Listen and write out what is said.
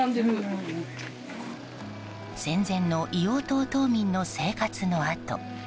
戦前の硫黄島島民の生活の跡。